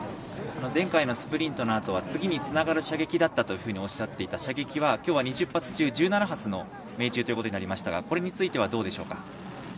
前回のスプリントのあとは次につながる射撃だったというふうにおっしゃっていた射撃はきょうは２０発中１７発の命中ということになりましたがこれについてはどうでしょうか。